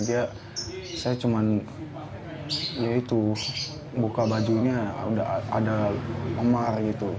dia saya cuma ya itu buka bajunya udah ada gemar gitu